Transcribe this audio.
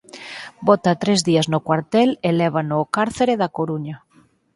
Bota tres días no cuartel e lévano ó cárcere da Coruña.